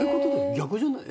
逆じゃない？